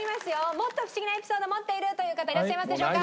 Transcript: もっとフシギなエピソード持っているという方いらっしゃいますでしょうか？